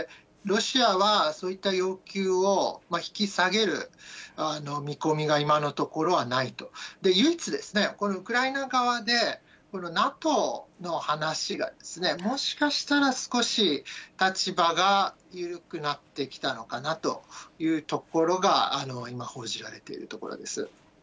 ロシアはそういった要求を引き下げる見込みが今のところはないと、唯一ですね、このウクライナ側でＮＡＴＯの話が、もしかしたら少し立場が緩くなってきたのかなというところが今、報じられているところです。